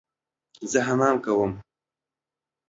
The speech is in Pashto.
زه حمام کوم